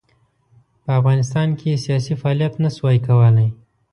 په افغانستان کې یې سیاسي فعالیت نه شوای کولای.